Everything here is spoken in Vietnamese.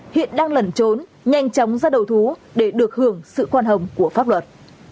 hiện đang lẩn trốn nhanh chóng ra đầu thú để được hưởng sự khoan hồng của pháp luật